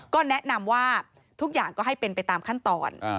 ก็แนะนำว่าทุกอย่างก็ให้เป็นไปตามขั้นตอน